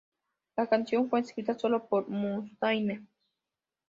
La canción fue escrita solo por Mustaine.